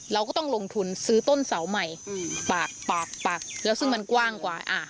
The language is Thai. เราก็ต้องลงทุนซื้อต้นเสาใหม่ปากปากแล้วซึ่งมันกว้างกว่า